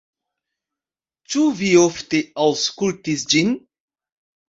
Ĉu vi ofte aŭskultis ĝin?